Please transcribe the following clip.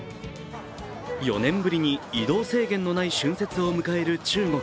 ４年ぶりに移動制限のない春節を迎える中国。